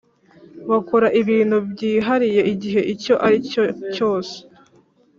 Bakora ibintu byihariye igihe icyo aricyo cyose